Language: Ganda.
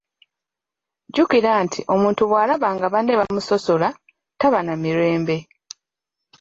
Jjukira nti omuntu bw’alaba nga banne bamusosola, taba na mirembe.